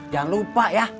jangan lupa ya